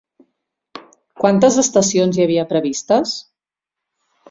Quantes estacions hi havia previstes?